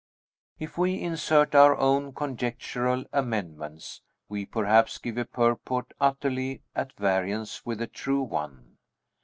If we insert our own conjectural amendments, we perhaps give a purport utterly at variance with the true one.